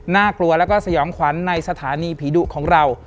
กลัวแล้วก็สยองขวัญในสถานีผีดุของเรา